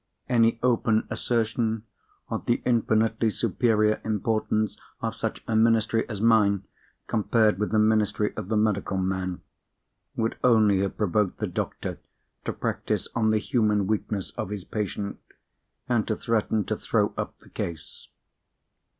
Any open assertion of the infinitely superior importance of such a ministry as mine, compared with the ministry of the medical man, would only have provoked the doctor to practise on the human weakness of his patient, and to threaten to throw up the case.